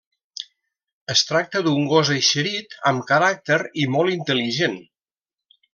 Es tracta d'un gos eixerit, amb caràcter i molt intel·ligent.